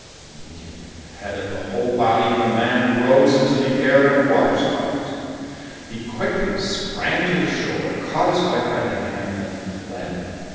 Immediately the head and the whole body of the man rose into the air, in a water spout. He quickly sprang to the shore, caught his wife by the hand and fled.